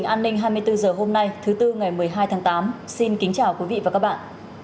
an ninh hai mươi bốn h hôm nay thứ tư ngày một mươi hai tháng tám xin kính chào quý vị và các bạn